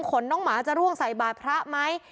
น้องหมาจะร่วงใส่บาดพระไหม